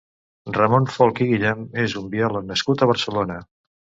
Ramon Folch i Guillèn és un biòleg nascut a Barcelona.